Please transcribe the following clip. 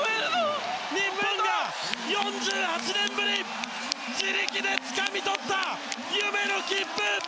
日本が４８年ぶり、自力でつかみ取った夢の切符！